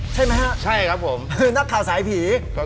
ใช่ไหมฮะนักข่าวสายผีพี่ติใช่ครับผม